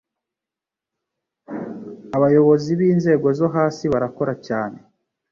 Abayobozi binzego zo hasi barakora cyane